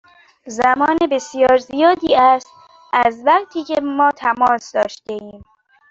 زمان بسیار زیادی است از وقتی که ما تماس داشتیم.